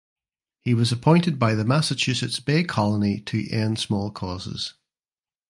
He was appointed by the Massachusetts Bay Colony to end small causes.